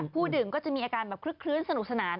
ผู้ดื่มก็จะมีอาการแบบคลึ้นสนุกสนาน